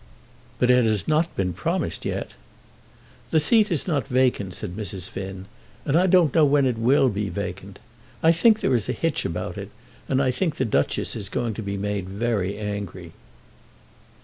"But it has not been promised yet?" "The seat is not vacant," said Mrs. Finn, "and I don't know when it will be vacant. I think there is a hitch about it, and I think the Duchess is going to be made very angry."